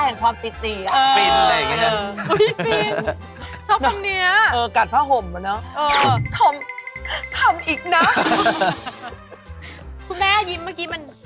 น้ำตาแห่งความปลี๊อะเออ